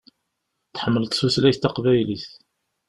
Tḥemmleḍ tutlayt taqbaylit.